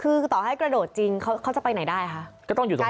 คือต่อให้กระโดดจริงเขาจะไปไหนได้คะก็ต้องอยู่ตรงนั้น